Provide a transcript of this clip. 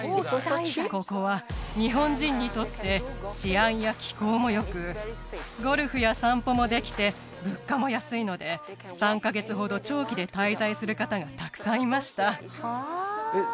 ここは日本人にとって治安や気候もよくゴルフや散歩もできて物価も安いので３カ月ほど長期で滞在する方がたくさんいましたえっ